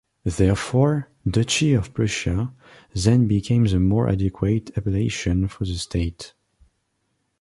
Therefore, "Duchy of Prussia" then became the more adequate appellation for the state.